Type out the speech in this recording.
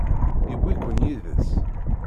Yewwi-kent yid-s?